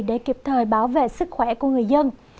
để kịp thời bảo vệ sức khỏe của người dân